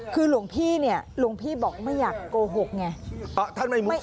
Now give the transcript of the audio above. คือหลวงพี่บอกไม่อยากโกหกไง